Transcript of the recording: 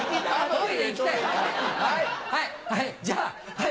はい！